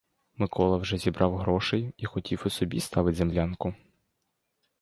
Микола вже зібрав грошей і хотів і собі ставить землянку.